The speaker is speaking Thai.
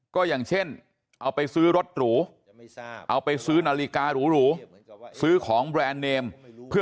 ก็อย่างเช่นเอาไปซื้อรถหรู